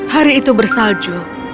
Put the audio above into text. hari itu bersalju